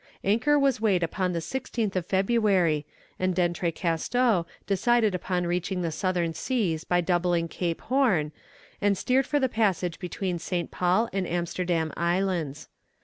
Anchor was weighed upon the 16th of February, and D'Entrecasteaux decided upon reaching the southern seas by doubling Cape Horn, and steered for the passage between St. Paul and Amsterdam Islands.